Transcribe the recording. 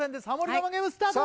我慢ゲームスタート！